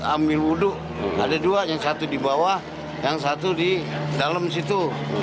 ambil wudhu ada dua yang satu di bawah yang satu di dalam situ